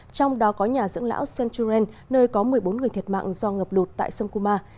trong đó có nhà dưỡng lão senchuren nơi có một mươi bốn người thiệt mạng do ngập lụt tại sông kuma